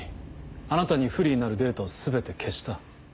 あなたに不利になるデータを全て消した。